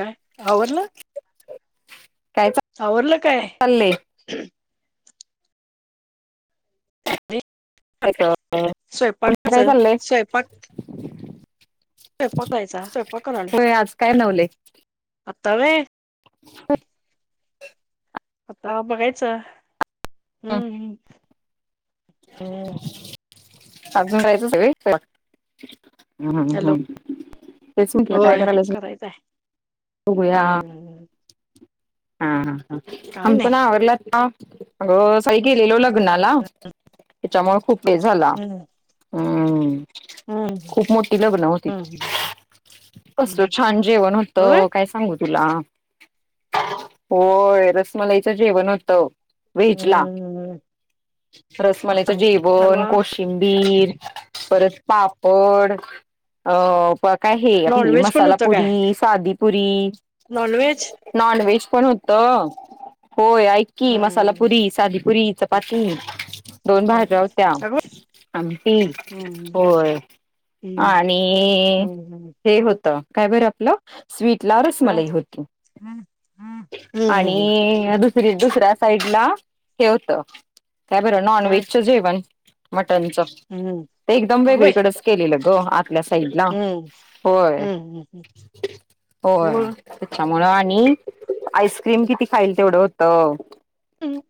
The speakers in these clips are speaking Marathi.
काय आवरलं काय आवरलं काय? चाललंय [inaudible] चालय. तुमचं काय चाललंय? स्वयपाक करालोय. होय आज काय बनवलंय आत्ता होय. [inaudible] आता बगायचं. हम्म हम्म अजून यायची सगळी स्वयपाक हॅलो तेच म्हटलं काय करायला होय काय? बघूया हा हा काय आम्ही पण नाही आवरलय आता. अगं सई गेलेलो लग्नाला त्याच्यामुळे खूप वे झाला. हम्म हम्म. हम्म खूप मोठी लग्न होती. हम्म कसलं छान जेवण होत होय काय सांगू तुला? होय. रसमलईचं जेवण होतं. वेजला हम्म रसमलईच अरे जेवण, वा कोशिं बीर, परत पापड काय हे आपली नॉनव्हेज पण मसाला होतं काय पुरी, सादी पुरी नॉनव्हेज नॉनव्हेज पण होतं, होय. आयकी मसाला हम्म पुरी [unintelligible] पुरी साधी पुरी चपाती. दोन भाज्या होत्या, अगं बाई आमटी, हम्म होय. हम्म आणि हम्म हम्म हे होत काय बरं आपलं, स्वीट ला काय रसमलाई होती. [unintelligible] [inaudible] हम्म हम्म आणि दुसरी दुसऱ्या साईडला हे होत काय बर, नॉन काय व्हेजच जेवण, मटनच हम्म ते एकदम अगं बाई वेगळीकडेच. केलेलं ग, आतल्या साईडला, हम्म होय हम्म हम्म होय. मग तिच्यामुळ आणि आईस्क्रीम किती खाईल तेवढं होतं. हम्.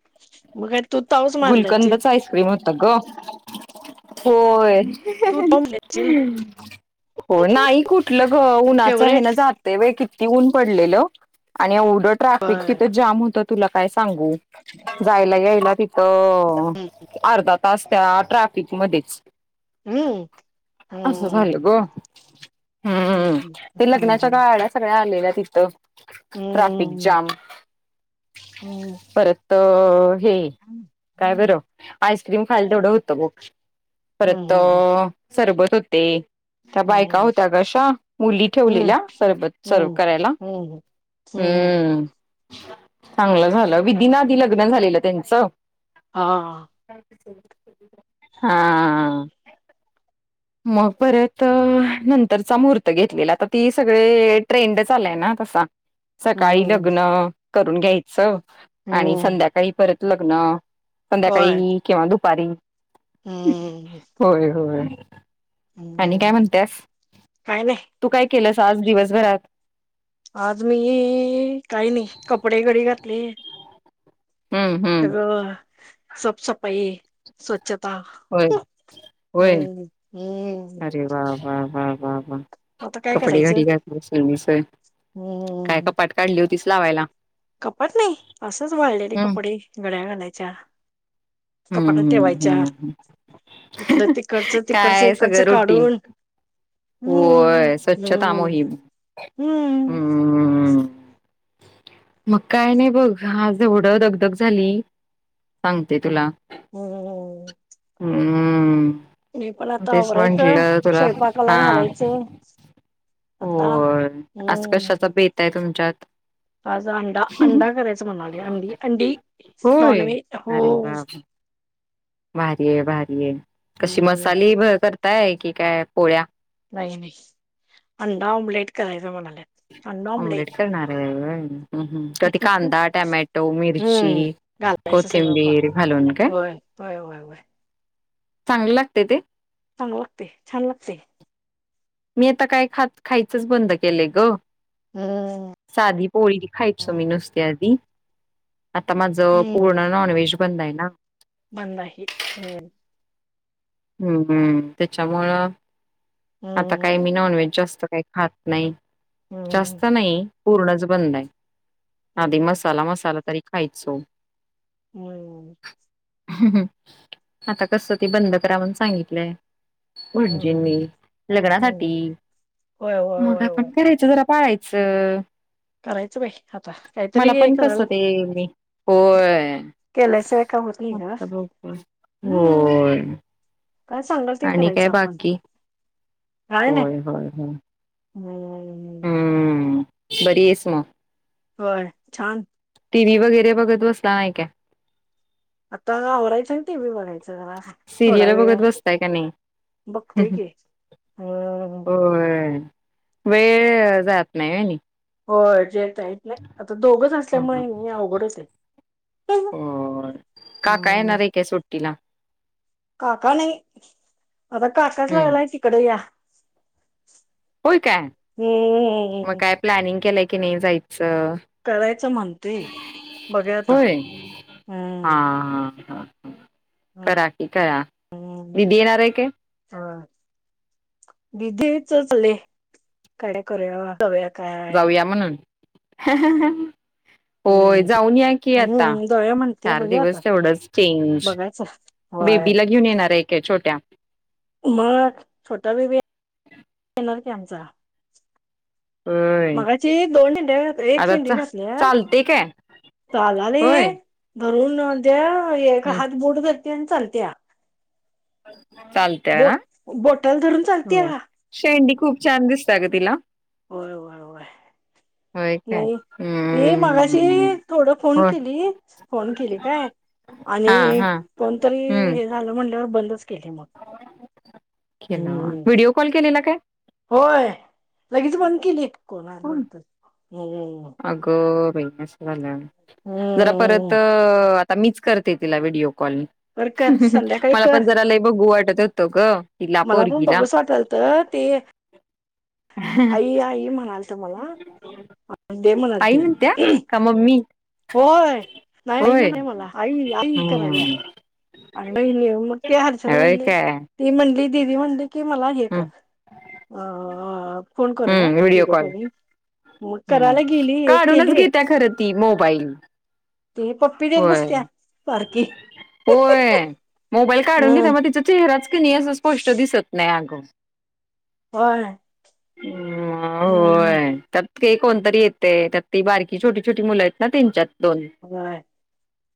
[unintelligible] तो गुलकंदचा आईस्क्रीम होता ग, होय. तू तोंबल्याचील हो नाही कुठलं ग, उन्हाचं हे फेवरेट ना जात तय होय, किती ऊन पडलेल आणि, एवढं ट्राफिक बर तिथ जाम होत तुला काय सांगू, जायला यायला किती अ अर्धा तास त्या ट्रॅफिक मध्येच. हम्म अस झाल हम्म ग. हम्म, ते हम्म लग्नाच्या हम्म गाड्या आलेल्या सगळ्या हिकडं. ट्राफिक हम्म जाम, हम्म परत हे [unintelligible] [inaudible] काय बरं आईस्क्रीम खायला तेवढं होतं, बघ परत हम्म हम्म सरबत होते. त्या बायका हम्म होत्या ग अशा, मुली हम्म ठेवलेल्या, सर्बत सर्व हम्म करायला. हम्म हम्म, चांगलं झालं विधी ना आधी लग्न झालेलं त्यांचं. हा. हा. मग परत नंतरचा महूर्त घेतलेला, आता ती सगळे ट्रेंड चालय ना तसा. [unintelligible] [inaudible] सकाळी हम्म लग्न करून घ्यायचं, आणि हम्म संध्याकाळी परत लग्न. बर संध्याकाळी किंवा दुपारी, हम्म होय होय. हम्म आणि काय हम्म म्हणत्यास, काय नाही तू काय केलंस आज दिवसभरात? आज मी काही नाही, कपडे घडी घातली. हम्म हम्म [unintelligible] सफ सफाई स्वच्छता, होय होय हम्म हम्म. अरे, वा वा वा वा वा. आता काय कपडे करायचं घाडी घाटलीस [unintelligible] काय हम्म कपाट काढली होतीच लावायला? कपाट नाही, असंच वाळलेले हम् कपडे घड्या घालायच्या. कपाटात हम्म ठेवायच्या. हम् इथलं तिकडचं, तिकडचं काय सगळं इकडचं रुटीन काढून हम्म, होय स्वच्छता हम्, मोहीम हम्म. हम्म मग काय नाही बघ, आज एवढं दगधग झाली सांगते तुला. हम्म हम्म! हे पण आता तेच आवरायचं, म्हंटलं तुला हा स्वयंपाकाला घालायचं. आता होय, आज हम्म कशाचा बेत आहे तुमच्यात? आज अंडा, अंडा करायचा म्हणालोय, अंडी अंडी होय नॉनव्हेज, अरे हो. वा वा. भारी आहे भारी ये कशी हम्म मसाली करताय की काय पोळ्या? नाही, नाही अंडा आमलेट करायचं म्हणाल्यात. ऑमलेट करणार आहे होय तर ते कांदा, टॅमॅटो, मिर्ची झालायचं सगळं स्वयंपाक होय, होय, होय, होय. चांगलं लागते ते. चांगलं लागते, छान लागते. मी आता काय खात खायचंच बंद केलंय ग. हम्म सादी पोळी ती खायचो मी नुसत्या आधी आता माझं पूर्ण नॉनव्हेज बंद आहेना. बंद [unintelligible] हम्म. हम्म, हम्म त्याच्यामुळं आता काही हम्म मी नॉनव्हेज जास्त काही खात नाही हम्म जास्त नाही. पूर्णच बंद आहे आधी हम्म मसाला, मसाला तरी खायचो होय, होय. आता कस ते बंद करा म्हणून सांगितलंय. पण जीम हम्म लग्नासाठी हम्म होय होय मग होय आपण होय करायच जरा पाळायच च.... करायचं बाई आता मला काहीतरी पण कस करायला ते मी होय केलेस का होती इथ? अ [inaudible] होय... काय सांगाल ते आणि काय करायचं आपण. बाकी? काय नाही होय होय होय. हो.. हम्म, बरी आहेस मग. होय छान. टी व्ही वगैरे बघत बसला आहे काय? आता वरायचं ना टि व्ही बघायचा. जरा थोडा सिरियल वेळ बघत बसताय का नाही? बघतोय की. हम्म होय वेळ जात नाही. हो जेेत नाही आता दोघंच असल्यामुळे अवघडच आहे. हो काका हम्म येणार आहे काय सुट्टीला? काका नाही आता काकाच हम्म लागला आहे तिकडे या होय काय, मग हम्म काय प्लॅनिंग केलंय की नाही जायच? करायचं म्हणतेय बघुया आता. होय हम्म हा, ह, ह करा कि करा दिदी येणार आहे का? हा दिदी चचले काय करूया, करुयात जावुया म्हणून होय हम्म जाऊन या की आता हम्म जाऊया म्हणते चार बघूया आता दिवस तेवढंच चेंज बघायचं होय बेबीला घेऊन येणार आहे का छोट्या? मग छोटा बेबी येणार की आमचा होय मगा शि दोन शेंडीया घातलीया एक आता शेंडी चा घातल्या चालते काय तो आला नाहीय. होय धरून राहुद्या एक हम्म हात बोट धरतीया आणि चालत्या चालत्या अ... बोटल धरून चालत्या हो शेंडी खूप छान दिसते अग तिला. व्हय, व्हय, व्हय. होय काय नाही, ती मगाशी हम्म थोड फोन होय केली, फोन केली काय- हा आणि हा कोणतरी हम्म हे झालं म्हंटल्यावर, बंदच केली मग. केला हम्म [unintelligible] व्हिडिओ कॉल केलेला काय? होय, लगेच बंद केली एक कोण आल होय. वाटत. [unintelligible] अगं बाई, असं झालं व्हय. हम. [unintelligible] जरा परत, आता मीच करते तिला व्हिडिओ कॉल. कर कर संध्याकाळी मला कर पण जरा लय बघू वाटत होत गं. मला पण बघूच वाटालत ती- आई, आई म्हणालत मला- दे म्हणाल आई ते म्हणत्या, का मम्मी? होय, नाही आई नाही होय म्हणत्या मला आई, आई कराल्या. हम्म आणि बहिणी [unintelligible] मती हर्षद होय म्हणली, काय हम्म ती म्हणली दिदी म्हणली- की मला हे खरं, अ... फोन करूया हम्म हे व्हिडिओ कॉल [unintelligible] करायला हम्म.. गेली काढूनच केली घेत्या खरं ती मोबाईल. ते पप्पी देत होय बसत्या, सारखी. होय, मोबाईल काढून घेत्या, हम्म मग तिचा चेहराच की नाही असं स्पष्ट दिसत नाही अग. होय, हम्म हं, हं. होय त्यात ते कोणतरी येतय, त्यात ती बारकी छोटी, छोटी मुलं आहेत ना, तेनच्यात- होय,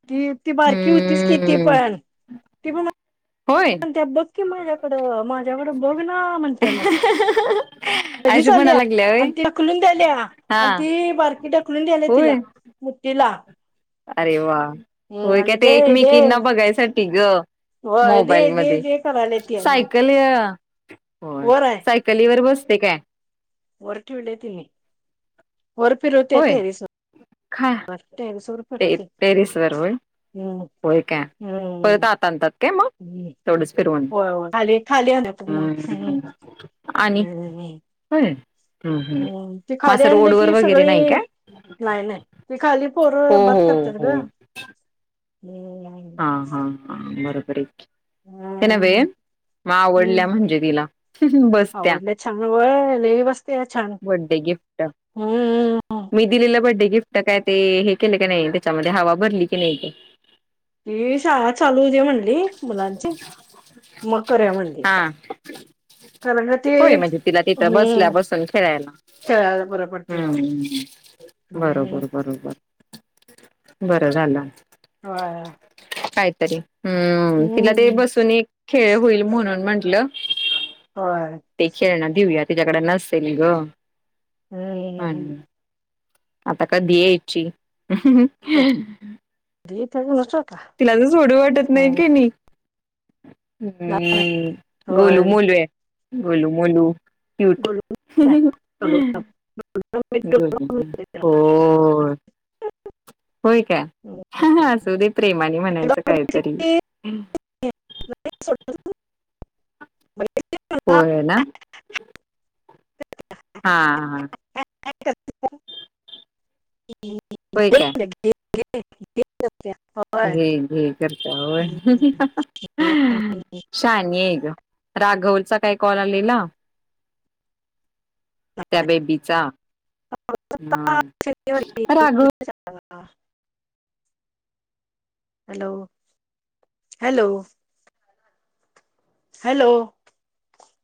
ती ती बारकी होतीच ती हम्म पण ती पण- होय त्या बक्की माझ्याकडं, माझ्याकडं बघ ना म्हणत्या मला. कधीच आशू म्हणा आल्या लागल्या होय आणि ती ढकलून द्याल्या हा आणि ती बारकी ढकलून द्याल्या तिला. होय मुतीला. [unintelligible] अरे वा, होय की ते दे दे एकमेकींना बघायसाठी गं. होय दे मोबाईल दे मधे, दे करायल्या ती आणि सायकल य- होय, वर आहे सायकलीवर बसते काय? वर ठेवल्या ती, वर फिरवत्या होय टेरेस वर, खा [unintelligible] टेरेस वर- ते टेरेस वर व्हय.? हम. होय का? परत आत आणतात काय मग, हम्म. तेवढच फिरवून. होय होय खाली खाली आण मग हम्. हम्म हम्म हम. [unintelligible] हो खाली मासं आणली रोडवर की वगैरे सगळी नाही का. [unintelligible] नाही, नाही, ती खाली पोर बात हो करत्यात हो गं. हा हा हा बरोबर आहे त्यान व हम्म [unintelligible] मग आवडल्या हम्म म्हणजे तिला बसत्या. ते छान- बड्डे गिफ्ट. हम्म. [unintelligible] मी दिलेलं बड्डे गिफ्ट काय ते, हे केले का नाही त्याच्यामध्ये हवा भरली की नाही. हे शाळा चालू होऊदे म्हणंली मुलांची, मग करुया म्हंणली. हा होय, म्हणजे तिला तिथं बसल्या हम्म बसून खेळायला. खेळायला बर पडतय मग. हम्म [unintelligible] हम्म बरोबर बरोबर. बरं झालं. हो. काहीतरी. हम्. तिला ते हम्म बसून एक- खेळ होईल म्हणून म्हंटलं- होय. ते खेळण देऊया. तिच्याकडे नसेल गं! हम्म म्हणून. आता काय? [unintelligible] [unintelligible] तिला मी सोडू वाटत नाही क होय नाही? हम्म. गोलूमोलू आहे गोलूमोलू. क्यूट. गोलूमोलू. होय. होय का? असू दे. प्रेमाने म्हणायचं काहीतरी. [unintelligible] होय ना? हां हां. काय करतीये? होय काय [unintelligible] घे घे करत. शानी आहे ग! राघवचा काल कॉल आलेला. त्या बेबीचा. ह राघव- हॅलो. हॅलो. हॅलो.